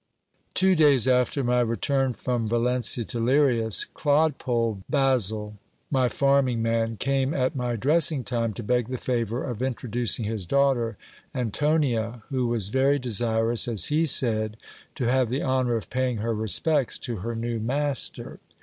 Two days after my return from Valencia to Lirias, clodpole Basil, my farming man, came at my dressing time, to beg the favour of introducing his daughter Antonia, who was very desirous, as he said, to have the honour of paying her respects to her new master.